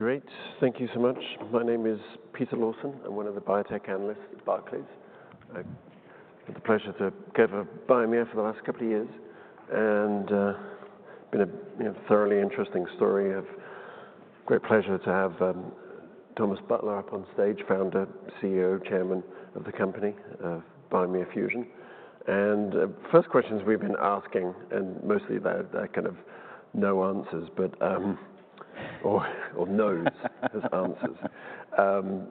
Great. Thank you so much. My name is Peter Lawson. I'm one of the biotech analysts at Barclays. I've had the pleasure to gather Biomea for the last couple of years, and it's been a thoroughly interesting story. Great pleasure to have Thomas Butler up on stage, Founder, CEO, Chairman of the company of Biomea Fusion. First questions we've been asking, and mostly that kind of no answers, but or no's as answers.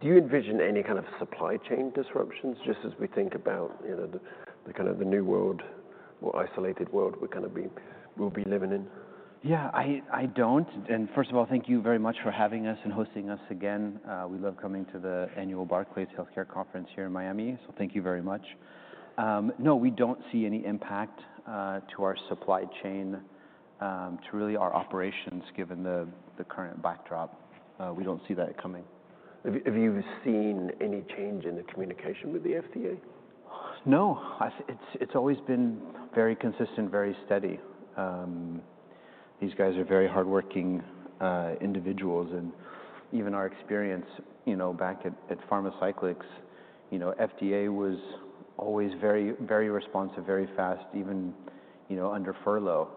Do you envision any kind of supply chain disruptions just as we think about the kind of the new world, more isolated world we're going to be living in? Yeah, I don't. First of all, thank you very much for having us and hosting us again. We love coming to the annual Barclays Healthcare Conference here in Miami, so thank you very much. No, we don't see any impact to our supply chain, to really our operations, given the current backdrop. We don't see that coming. Have you seen any change in the communication with the FDA? No. It's always been very consistent, very steady. These guys are very hardworking individuals. Even our experience back at Pharmacyclics, FDA was always very responsive, very fast, even under furlough.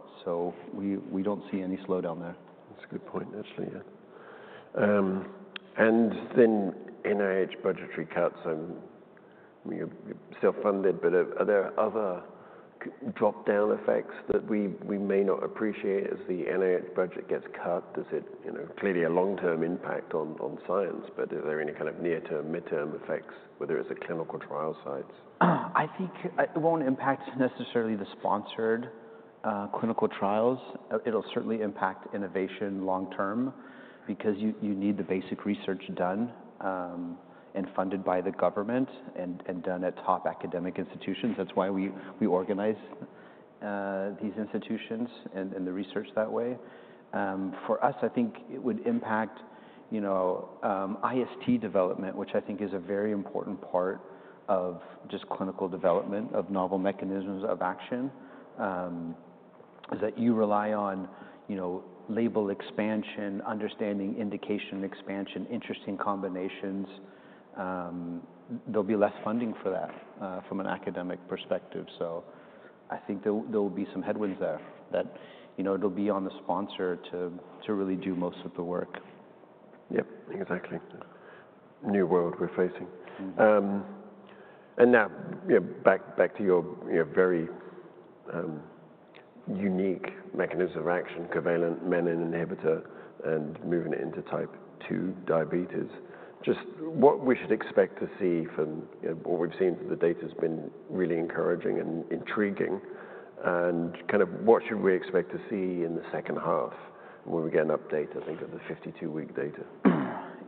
We don't see any slowdown there. That's a good point, actually. I mean, you're self-funded, but are there other drop-down effects that we may not appreciate as the NIH budget gets cut? Does it create a long-term impact on science? Are there any kind of near-term, mid-term effects, whether it's at clinical trial sites? I think it won't impact necessarily the sponsored clinical trials. It'll certainly impact innovation long-term because you need the basic research done and funded by the government and done at top academic institutions. That's why we organize these institutions and the research that way. For us, I think it would impact IST development, which I think is a very important part of just clinical development of novel mechanisms of action, is that you rely on label expansion, understanding indication expansion, interesting combinations. There'll be less funding for that from an academic perspective. I think there will be some headwinds there, that it'll be on the sponsor to really do most of the work. Yep, exactly. New world we're facing. Now, back to your very unique mechanism of action, covalent menin inhibitor and moving it into type 2 diabetes. Just what we should expect to see from what we've seen, the data has been really encouraging and intriguing. Kind of what should we expect to see in the second half when we get an update? I think of the 52-week data.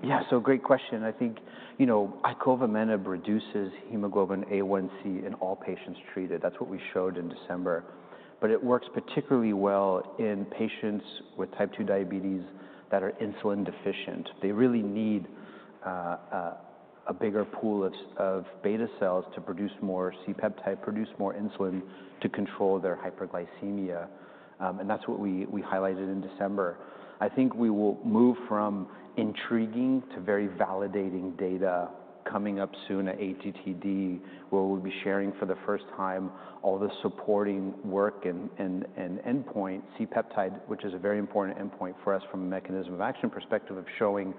Yeah, great question. I think icovamenib reduces hemoglobin A1C in all patients treated. That's what we showed in December. It works particularly well in patients with type 2 diabetes that are insulin deficient. They really need a bigger pool of beta cells to produce more C-peptide, produce more insulin to control their hyperglycemia. That's what we highlighted in December. I think we will move from intriguing to very validating data coming up soon at ATTD, where we'll be sharing for the first time all the supporting work and endpoint C-peptide, which is a very important endpoint for us from a mechanism of action perspective of showing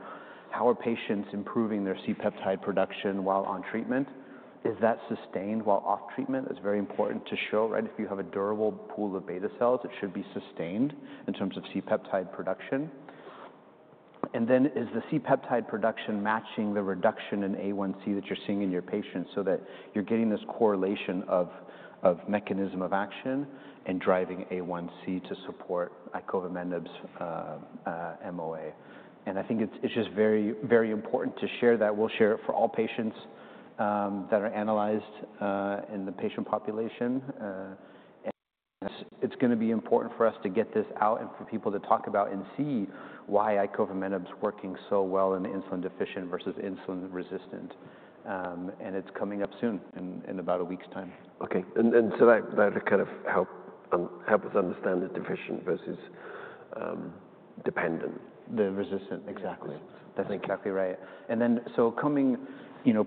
how our patients are improving their C-peptide production while on treatment. Is that sustained while off treatment? It's very important to show, right? If you have a durable pool of beta cells, it should be sustained in terms of C-peptide production. Is the C-peptide production matching the reduction in A1C that you're seeing in your patients so that you're getting this correlation of mechanism of action and driving A1C to support icovamenib's MOA? I think it's just very, very important to share that. We'll share it for all patients that are analyzed in the patient population. It's going to be important for us to get this out and for people to talk about and see why icovamenib's working so well in insulin deficient versus insulin resistant. It's coming up soon in about a week's time. Okay. That would kind of help us understand the deficient versus dependent. The resistant. Exactly. That's exactly right. Coming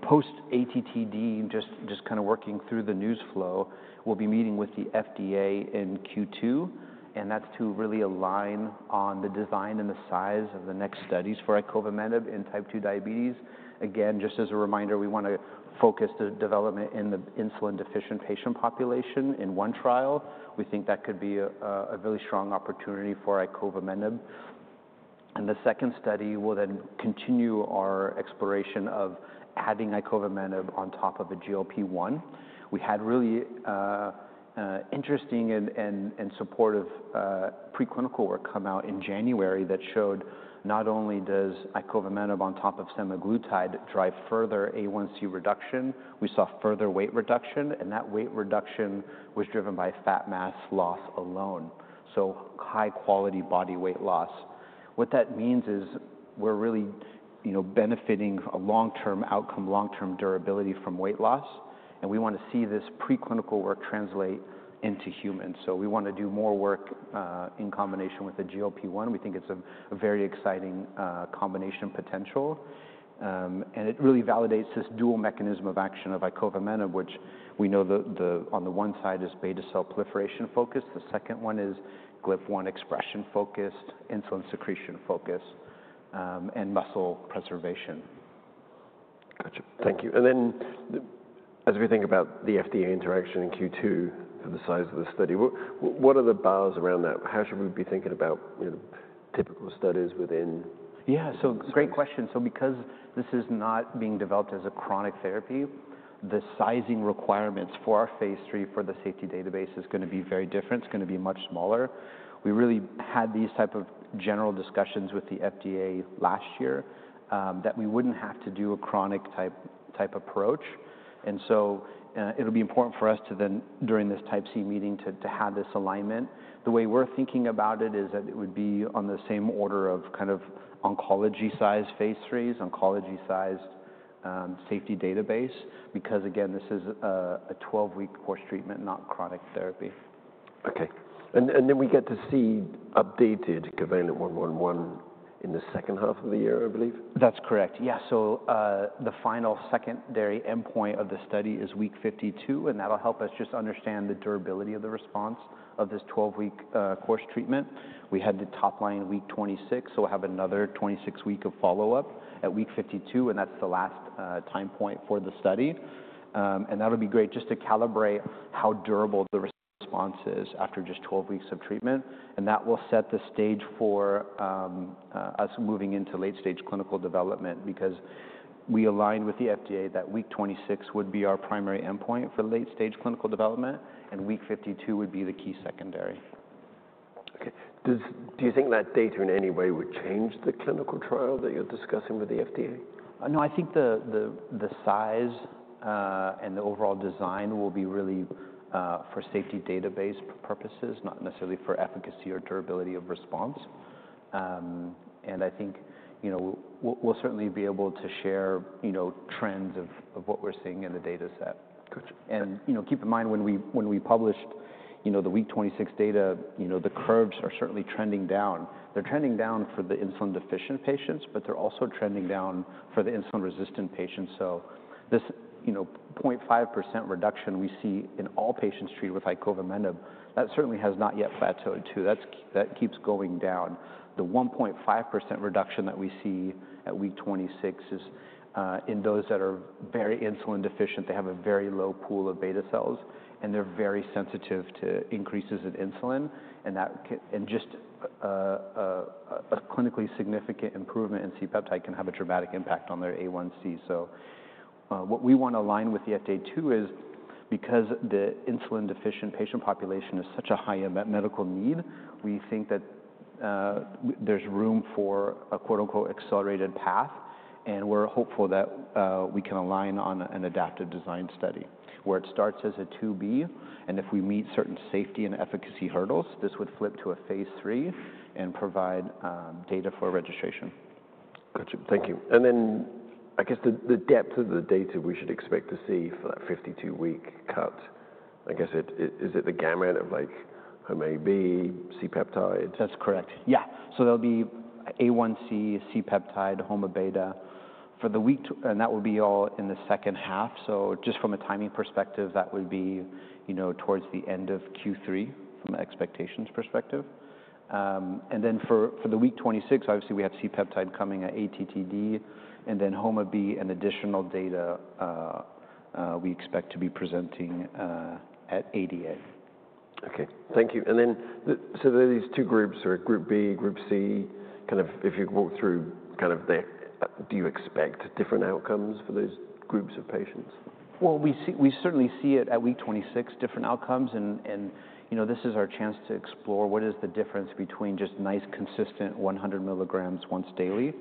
post ATTD, just kind of working through the news flow, we'll be meeting with the FDA in Q2. That's to really align on the design and the size of the next studies for icovamenib in type 2 diabetes. Again, just as a reminder, we want to focus the development in the insulin deficient patient population in one trial. We think that could be a really strong opportunity for icovamenib. The second study will then continue our exploration of adding icovamenib on top of a GLP-1. We had really interesting and supportive preclinical work come out in January that showed not only does icovamenib on top of semaglutide drive further A1C reduction, we saw further weight reduction. That weight reduction was driven by fat mass loss alone. High-quality body weight loss. What that means is we're really benefiting a long-term outcome, long-term durability from weight loss. We want to see this preclinical work translate into humans. We want to do more work in combination with the GLP-1. We think it's a very exciting combination potential. It really validates this dual mechanism of action of icovamenib, which we know on the one side is beta cell proliferation focused. The second one is GLP-1 expression focused, insulin secretion focused, and muscle preservation. Gotcha. Thank you. As we think about the FDA interaction in Q2 for the size of the study, what are the bars around that? How should we be thinking about typical studies within? Yeah, so great question. Because this is not being developed as a chronic therapy, the sizing requirements for our phase three for the safety database are going to be very different. It's going to be much smaller. We really had these type of general discussions with the FDA last year that we would not have to do a chronic type approach. It will be important for us to then, during this type C meeting, to have this alignment. The way we're thinking about it is that it would be on the same order of kind of oncology size phase threes, oncology sized safety database, because again, this is a 12-week course treatment, not chronic therapy. Okay. And then we get to see updated COVALENT-111 in the second half of the year, I believe. That's correct. Yeah. The final secondary endpoint of the study is week 52, and that'll help us just understand the durability of the response of this 12-week course treatment. We had the top line week 26, so we'll have another 26-week follow-up at week 52, and that's the last time point for the study. That'll be great just to calibrate how durable the response is after just 12 weeks of treatment. That will set the stage for us moving into late-stage clinical development because we aligned with the FDA that week 26 would be our primary endpoint for late-stage clinical development, and week 52 would be the key secondary. Okay. Do you think that data in any way would change the clinical trial that you're discussing with the FDA? No, I think the size and the overall design will be really for safety database purposes, not necessarily for efficacy or durability of response. I think we'll certainly be able to share trends of what we're seeing in the data set. Keep in mind when we published the week 26 data, the curves are certainly trending down. They're trending down for the insulin deficient patients, but they're also trending down for the insulin resistant patients. This 0.5% reduction we see in all patients treated with icovamenib, that certainly has not yet plateaued too. That keeps going down. The 1.5% reduction that we see at week 26 is in those that are very insulin deficient. They have a very low pool of beta cells, and they're very sensitive to increases in insulin. A clinically significant improvement in C-peptide can have a dramatic impact on their A1C. What we want to align with the FDA too is because the insulin deficient patient population is such a high medical need, we think that there's room for an "accelerated path." We are hopeful that we can align on an adaptive design study where it starts as a 2B. If we meet certain safety and efficacy hurdles, this would flip to a phase three and provide data for registration. Gotcha. Thank you. I guess the depth of the data we should expect to see for that 52-week cut, I guess, is it the gamut of like HOMA beta, C-peptide? That's correct. Yeah. There'll be A1C, C-peptide, HOMA beta. That will be all in the second half. Just from a timing perspective, that would be towards the end of Q3 from an expectations perspective. For the week 26, obviously we have C-peptide coming at ATTD, and then HOMA beta and additional data we expect to be presenting at ADA. Okay. Thank you. There are these two groups, sort of group B, group C, kind of if you walk through kind of the do you expect different outcomes for those groups of patients? We certainly see it at week 26, different outcomes. This is our chance to explore what is the difference between just nice consistent 100 milligrams once daily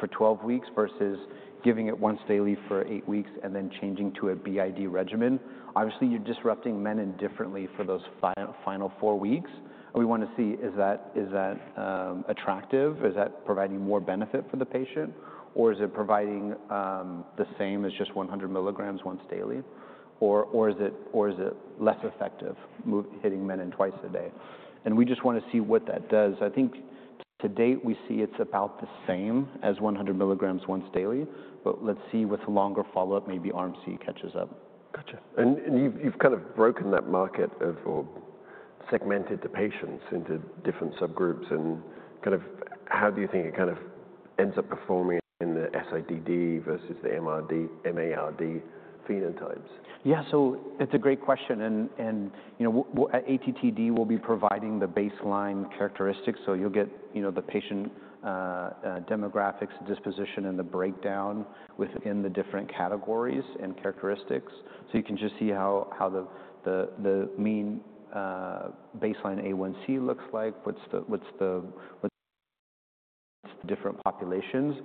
for 12 weeks versus giving it once daily for eight weeks and then changing to a BID regimen. Obviously, you are disrupting menin differently for those final four weeks. We want to see is that attractive? Is that providing more benefit for the patient? Is it providing the same as just 100 milligrams once daily? Is it less effective, hitting menin twice a day? We just want to see what that does. I think to date, we see it is about the same as 100 milligrams once daily. Let's see with longer follow-up, maybe Arm C catches up. Gotcha. You have kind of broken that market or segmented the patients into different subgroups. How do you think it kind of ends up performing in the SIDD versus the MARD phenotypes? Yeah, so it's a great question. At ATTD, we'll be providing the baseline characteristics. You will get the patient demographics, disposition, and the breakdown within the different categories and characteristics. You can just see how the mean baseline A1C looks like, what's the different populations.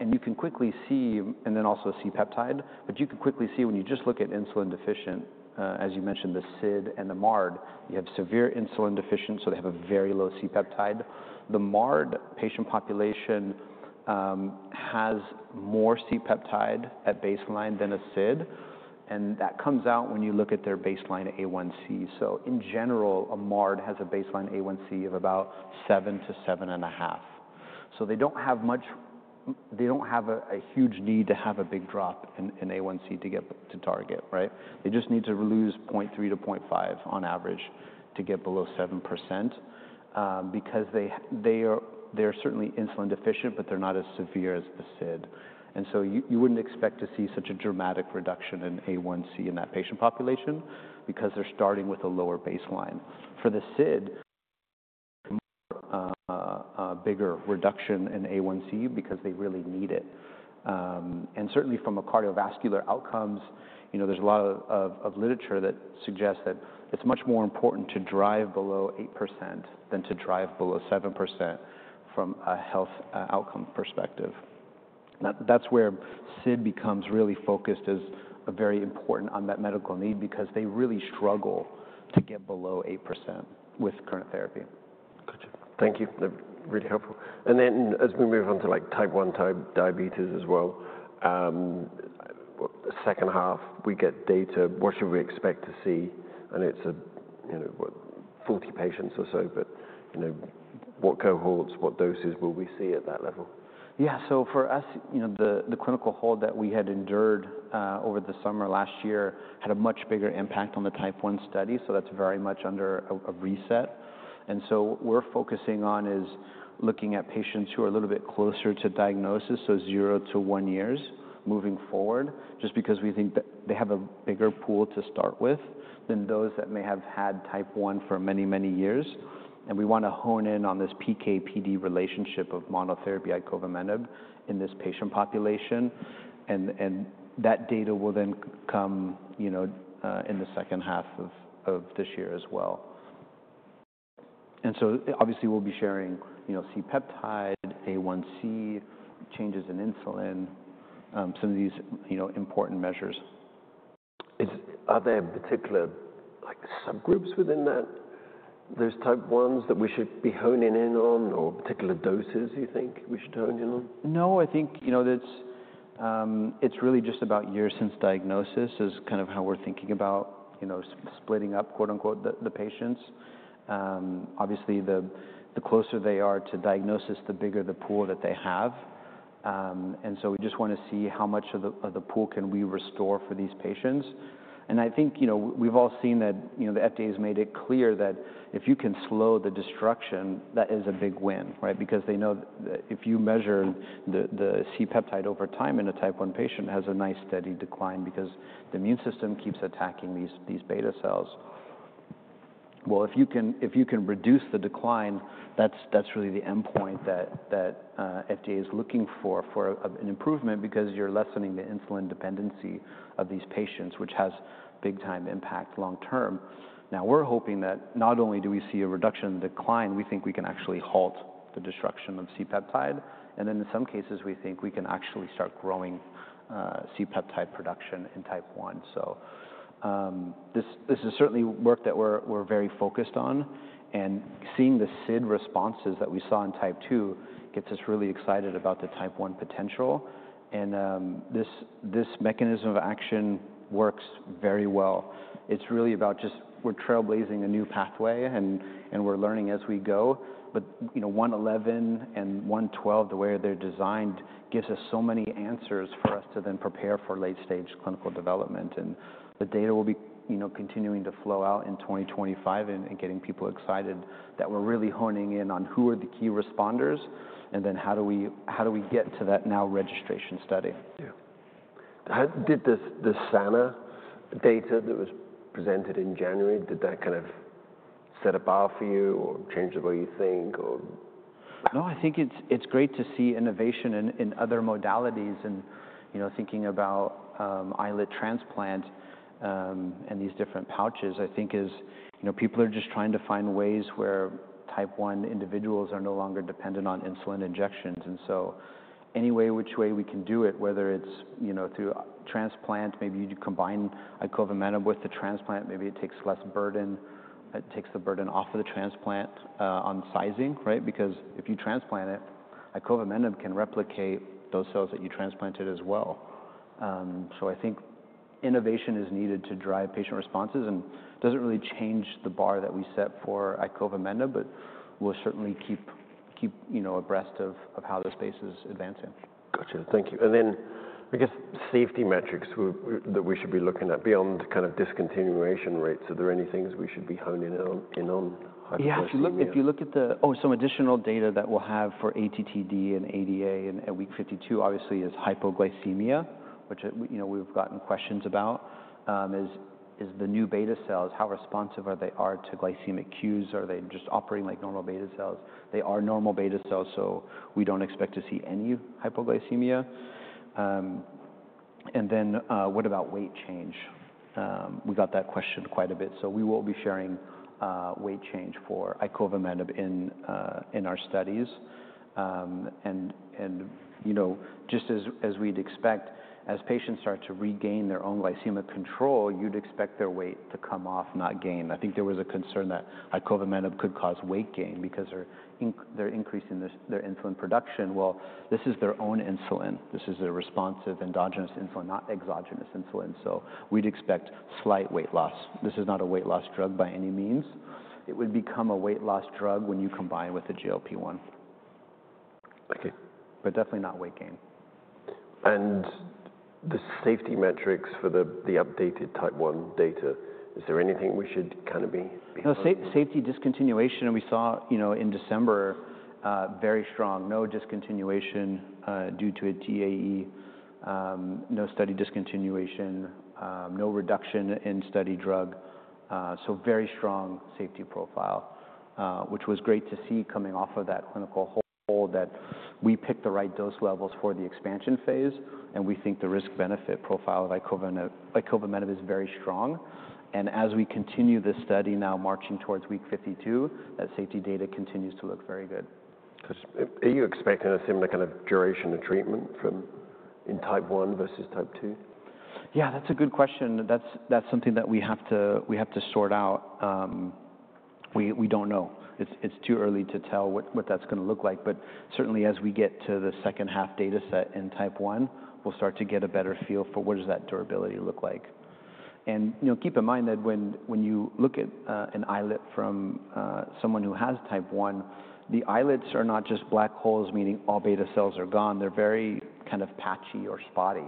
You can quickly see, and then also C-peptide, but you can quickly see when you just look at insulin deficient, as you mentioned, the SID and the MARD, you have severe insulin deficient, so they have a very low C-peptide. The MARD patient population has more C-peptide at baseline than a SID. That comes out when you look at their baseline A1C. In general, a MARD has a baseline A1C of about 7-7.5. They do not have much, they do not have a huge need to have a big drop in A1C to get to target, right? They just need to lose 0.3-0.5 on average to get below 7% because they are certainly insulin deficient, but they are not as severe as the SIDD. You would not expect to see such a dramatic reduction in A1C in that patient population because they are starting with a lower baseline. For the SIDD, a bigger reduction in A1C because they really need it. Certainly from a cardiovascular outcomes perspective, there is a lot of literature that suggests that it is much more important to drive below 8% than to drive below 7% from a health outcome perspective. That is where SIDD becomes really focused as a very important unmet medical need because they really struggle to get below 8% with current therapy. Gotcha. Thank you. Really helpful. As we move on to type 1 diabetes as well, second half, we get data, what should we expect to see? It is 40 patients or so, but what cohorts, what doses will we see at that level? Yeah, so for us, the clinical hold that we had endured over the summer last year had a much bigger impact on the type 1 study. That is very much under a reset. What we are focusing on is looking at patients who are a little bit closer to diagnosis, so zero to one years moving forward, just because we think that they have a bigger pool to start with than those that may have had type 1 for many, many years. We want to hone in on this PK/PD relationship of monotherapy icovamenib in this patient population. That data will then come in the second half of this year as well. Obviously we will be sharing C-peptide, A1C, changes in insulin, some of these important measures. Are there particular subgroups within that? There's type 1s that we should be honing in on or particular doses you think we should hone in on? No, I think it's really just about years since diagnosis is kind of how we're thinking about splitting up, quote unquote, the patients. Obviously, the closer they are to diagnosis, the bigger the pool that they have. We just want to see how much of the pool can we restore for these patients. I think we've all seen that the FDA has made it clear that if you can slow the destruction, that is a big win, right? They know that if you measure the C-peptide over time in a type 1 patient, it has a nice steady decline because the immune system keeps attacking these beta cells. If you can reduce the decline, that's really the endpoint that FDA is looking for for an improvement because you're lessening the insulin dependency of these patients, which has a big-time impact long-term. Now, we're hoping that not only do we see a reduction in the decline, we think we can actually halt the destruction of C-peptide. In some cases, we think we can actually start growing C-peptide production in type 1. This is certainly work that we're very focused on. Seeing the SIDD responses that we saw in type 2 gets us really excited about the type 1 potential. This mechanism of action works very well. It's really about just we're trailblazing a new pathway and we're learning as we go. 111 and 112, the way they're designed, gives us so many answers for us to then prepare for late-stage clinical development. The data will be continuing to flow out in 2025 and getting people excited that we're really honing in on who are the key responders and then how do we get to that now registration study. Yeah. Did the Sana data that was presented in January, did that kind of set a bar for you or change the way you think or? No, I think it's great to see innovation in other modalities and thinking about islet transplant and these different pouches. I think people are just trying to find ways where type 1 individuals are no longer dependent on insulin injections. Any way which way we can do it, whether it's through transplant, maybe you combine icovamenib with the transplant, maybe it takes less burden. It takes the burden off of the transplant on sizing, right? Because if you transplant it, icovamenib can replicate those cells that you transplanted as well. I think innovation is needed to drive patient responses and doesn't really change the bar that we set for icovamenib, but we'll certainly keep abreast of how this space is advancing. Gotcha. Thank you. I guess safety metrics that we should be looking at beyond kind of discontinuation rates. Are there any things we should be honing in on? Yeah, if you look at the, oh, some additional data that we'll have for ATTD and ADA at week 52, obviously is hypoglycemia, which we've gotten questions about. Is the new beta cells, how responsive are they to glycemic cues? Are they just operating like normal beta cells? They are normal beta cells, so we don't expect to see any hypoglycemia. What about weight change? We got that question quite a bit. We will be sharing weight change for icovamenib in our studies. Just as we'd expect, as patients start to regain their own glycemic control, you'd expect their weight to come off, not gain. I think there was a concern that icovamenib could cause weight gain because they're increasing their insulin production. This is their own insulin. This is a responsive endogenous insulin, not exogenous insulin. We'd expect slight weight loss. This is not a weight loss drug by any means. It would become a weight loss drug when you combine with the GLP-1. Definitely not weight gain. The safety metrics for the updated type 1 data, is there anything we should kind of be? No, safety discontinuation. We saw in December, very strong. No discontinuation due to a TEAE. No study discontinuation. No reduction in study drug. Very strong safety profile, which was great to see coming off of that clinical hold that we picked the right dose levels for the expansion phase. We think the risk-benefit profile of icovamenib is very strong. As we continue this study now marching towards week 52, that safety data continues to look very good. Are you expecting a similar kind of duration of treatment in type 1 versus type 2? Yeah, that's a good question. That's something that we have to sort out. We don't know. It's too early to tell what that's going to look like. Certainly as we get to the second half data set in type 1, we'll start to get a better feel for what does that durability look like. Keep in mind that when you look at an islet from someone who has type 1, the islets are not just black holes, meaning all beta cells are gone. They're very kind of patchy or spotty.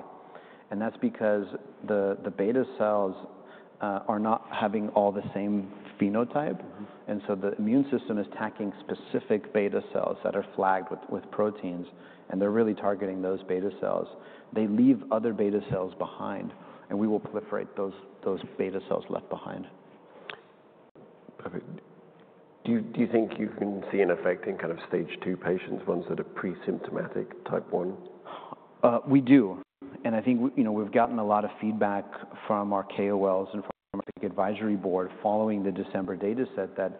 That's because the beta cells are not having all the same phenotype. The immune system is attacking specific beta cells that are flagged with proteins. They're really targeting those beta cells. They leave other beta cells behind. We will proliferate those beta cells left behind. Perfect. Do you think you can see an effect in kind of stage 2 patients, ones that are pre-symptomatic type 1? We do. I think we've gotten a lot of feedback from our KOLs and from our advisory board following the December data set that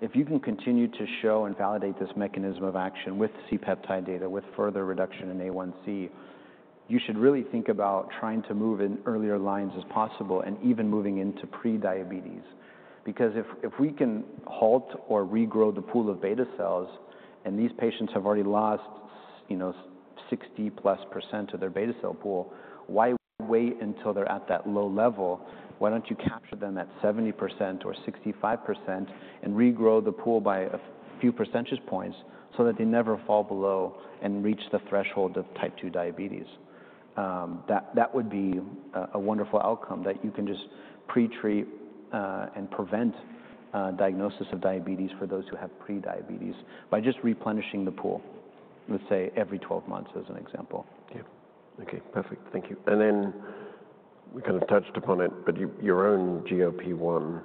if you can continue to show and validate this mechanism of action with C-peptide data, with further reduction in A1C, you should really think about trying to move in earlier lines as possible and even moving into pre-diabetes. Because if we can halt or regrow the pool of beta cells, and these patients have already lost 60+% of their beta cell pool, why wait until they're at that low level? Why don't you capture them at 70% or 65% and regrow the pool by a few percentage points so that they never fall below and reach the threshold of type 2 diabetes? That would be a wonderful outcome that you can just pre-treat and prevent diagnosis of diabetes for those who have pre-diabetes by just replenishing the pool, let's say every 12 months as an example. Yeah. Okay. Perfect. Thank you. We kind of touched upon it, but your own GLP-1,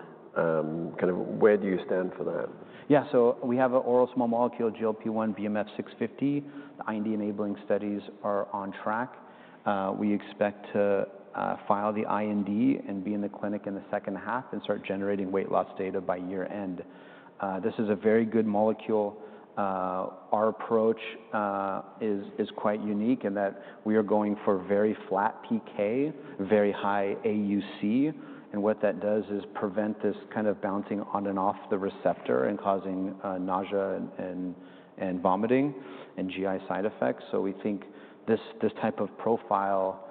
kind of where do you stand for that? Yeah, so we have an oral small molecule GLP-1 BMF-650. The IND enabling studies are on track. We expect to file the IND and be in the clinic in the second half and start generating weight loss data by year-end. This is a very good molecule. Our approach is quite unique in that we are going for very flat PK, very high AUC. What that does is prevent this kind of bouncing on and off the receptor and causing nausea and vomiting and GI side effects. We think this type of profile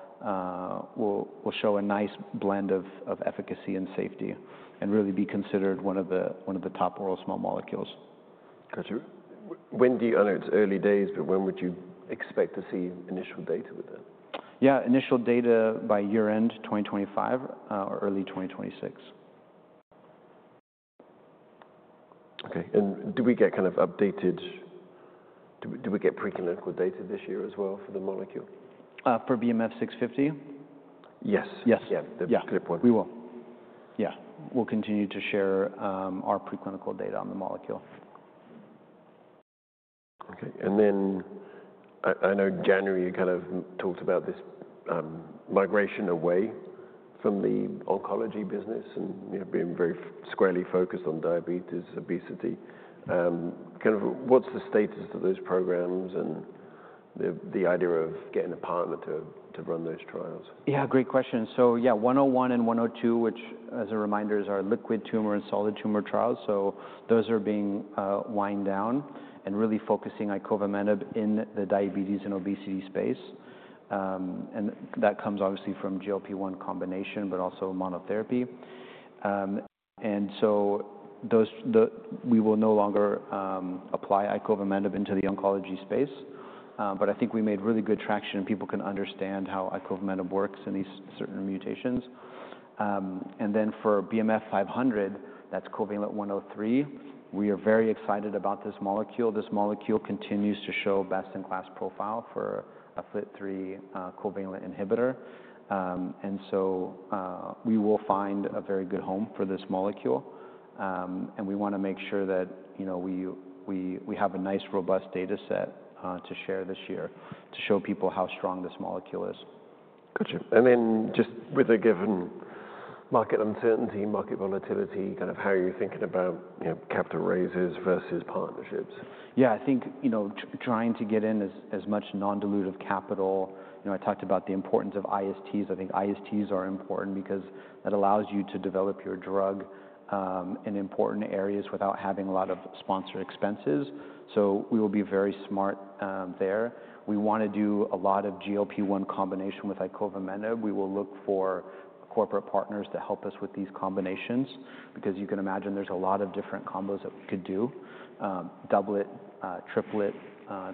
will show a nice blend of efficacy and safety and really be considered one of the top oral small molecules. Gotcha. When do you know it's early days, but when would you expect to see initial data with that? Yeah, initial data by year-end 2025 or early 2026. Okay. Do we get kind of updated, do we get pre-clinical data this year as well for the molecule? For BMF-650? Yes. Yes. Yeah, the GLP-1. We will. Yeah. We'll continue to share our pre-clinical data on the molecule. Okay. I know January you kind of talked about this migration away from the oncology business and being very squarely focused on diabetes, obesity. Kind of what's the status of those programs and the idea of getting a partner to run those trials? Yeah, great question. Yeah, 101 and 102, which as a reminder is our liquid tumor and solid tumor trials. Those are being wound down and really focusing icovamenib in the diabetes and obesity space. That comes obviously from GLP-1 combination, but also monotherapy. We will no longer apply icovamenib into the oncology space. I think we made really good traction and people can understand how icovamenib works in these certain mutations. For BMF-500, that's COVALENT-103. We are very excited about this molecule. This molecule continues to show best-in-class profile for a FLT3 covalent inhibitor. We will find a very good home for this molecule. We want to make sure that we have a nice robust data set to share this year to show people how strong this molecule is. Gotcha. Just with a given market uncertainty, market volatility, kind of how are you thinking about capital raises versus partnerships? Yeah, I think trying to get in as much non-dilutive capital. I talked about the importance of ISTs. I think ISTs are important because that allows you to develop your drug in important areas without having a lot of sponsored expenses. We will be very smart there. We want to do a lot of GLP-1 combination with icovamenib. We will look for corporate partners to help us with these combinations because you can imagine there's a lot of different combos that we could do, doublet, triplet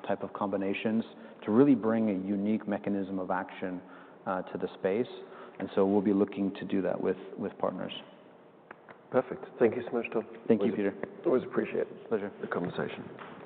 type of combinations to really bring a unique mechanism of action to the space. We will be looking to do that with partners. Perfect. Thank you so much, Tom. Thank you, Peter. Always appreciate it. Pleasure. The conversation.